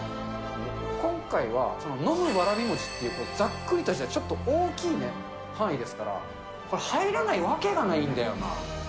今回は、飲むわらびもちって、ざっくりとした、ちょっと大きいね、範囲ですから、入らないわけがないんだよな。